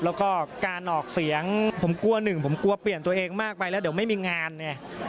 แล้วก็การออกเสียงผมกลัวหนึ่งผมกลัวเปลี่ยนตัวเองมากไปแล้วเดี๋ยวไม่มีงานไง